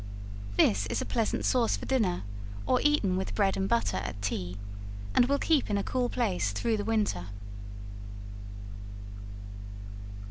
This is a pleasant sauce for dinner, or eaten with bread and butter at tea, and will keep in a cool place through the winter.